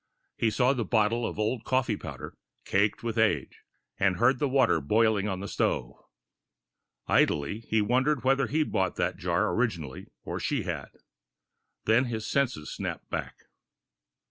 He saw the bottle of old coffee powder, caked with age, and heard the water boiling on the stove. Idly, he wondered whether he'd bought the jar originally or she had. Then his senses snapped back.